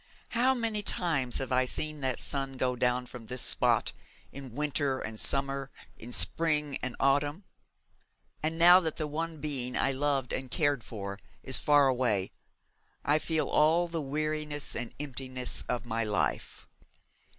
'How many times have I seen that sun go down from this spot, in winter and summer, in spring and autumn! And now that the one being I loved and cared for is far away, I feel all the weariness and emptiness of my life.'